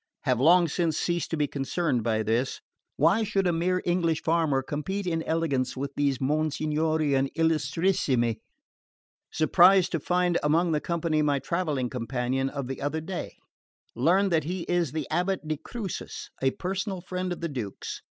Have long since ceased to be concerned by this: why should a mere English farmer compete in elegance with these Monsignori and Illustrissimi? Surprised to find among the company my travelling companion of the other day. Learned that he is the abate de Crucis, a personal friend of the Duke's.